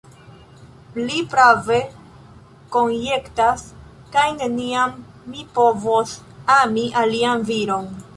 Li prave konjektas, ke neniam mi povos ami alian viron.